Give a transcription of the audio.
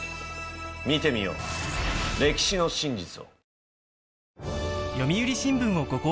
見てみよう歴史の真実を。